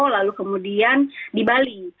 lalu kemudian di bali